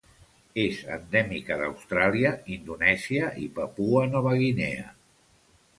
És endèmica d'Austràlia, Indonèsia i Papua Nova Guinea.